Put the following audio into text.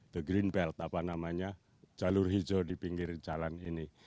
the green belt apa namanya jalur hijau di pinggir jalan ini